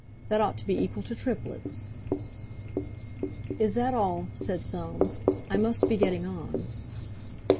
That ought to be equal to triplets." "Is that all?" said Soames, "I must be getting on."